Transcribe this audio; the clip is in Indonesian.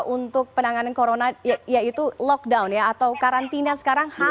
untuk penanganan corona yaitu lockdown ya atau karantina sekarang